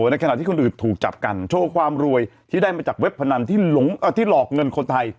ในขณะที่คนอื่นถูกจับกันโชว์ความรวยที่ได้มาจากเว็บพนันที่หลอกเงินคนไทย